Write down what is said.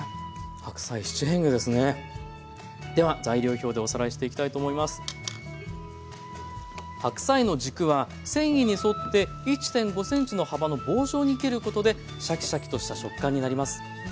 白菜の軸は繊維に沿って１．５ｃｍの幅の棒状に切ることでシャキシャキとした食感になります。